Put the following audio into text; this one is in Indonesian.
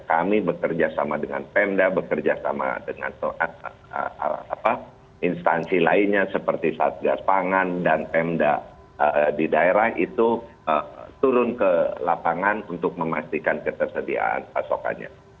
kami bekerja sama dengan pemda bekerjasama dengan instansi lainnya seperti satgas pangan dan pemda di daerah itu turun ke lapangan untuk memastikan ketersediaan pasokannya